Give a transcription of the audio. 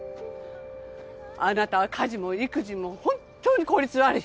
あなたは家事も育児も本っ当に効率が悪い。